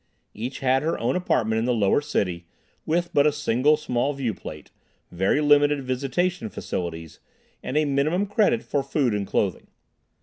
Each had her own apartment in the Lower City, with but a single small viewplate, very limited "visitation" facilities, and a minimum credit for food and clothing.